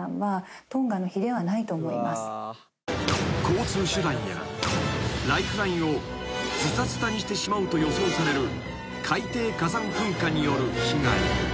［交通手段やライフラインをずたずたにしてしまうと予想される海底火山噴火による被害］